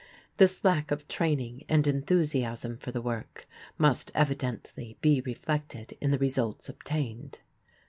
This lack of training and enthusiasm for the work must evidently be reflected in the results obtained.